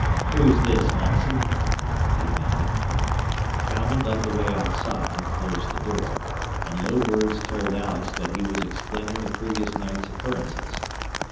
"Who's this, Munson?" he demanded. The cowman led the way outside and closed the door, and low words told Alex that he was explaining the previous night's occurrences.